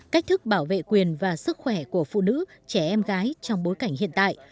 cách thức bảo vệ quyền và sức khỏe của phụ nữ trẻ em gái trong bối cảnh hiện tại